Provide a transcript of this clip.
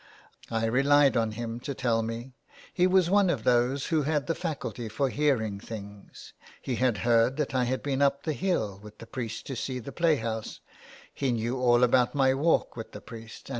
I relied on him to tell me ; he was one of those who had the faculty for hearing things ; he had heard that I had been up the hill with the priest to see the play house ; he knew all about my walk with the 2%6 A PLAY HOUSE IN THE WASTE.